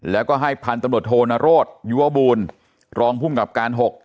แล้วก็ให้พันธุ์ตำรวจโทนโรศยุวบูรณ์รองภูมิกับการ๖